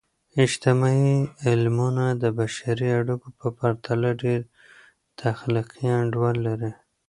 اجتماعي علمونه د بشري اړیکو په پرتله ډیر تخلیقي انډول لري.